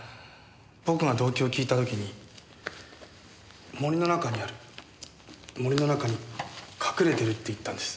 僕が動機を聞いた時に「森の中にある」「森の中に隠れてる」って言ったんです。